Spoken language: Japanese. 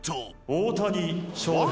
大谷翔平